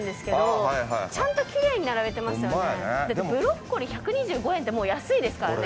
ブロッコリー１２５円ってもう安いですからね。